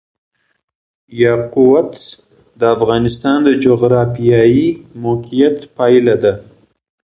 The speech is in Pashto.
یاقوت د افغانستان د جغرافیایي موقیعت پایله ده.